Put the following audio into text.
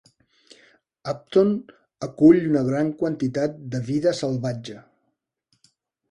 Upton acull una gran quantitat de vida salvatge.